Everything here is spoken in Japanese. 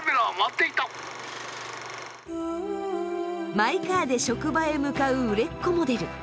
マイカーで職場へ向かう売れっ子モデル。